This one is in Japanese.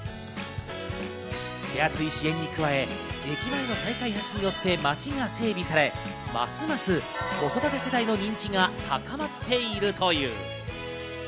手厚い支援に加え、駅前の再開発によって町が整備され、ますます子育て世代の人気が高まっているという。